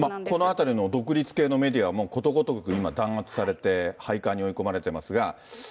このあたりの独立系のメディアは、ことごとく今弾圧されて、廃刊に追い込まれていますが。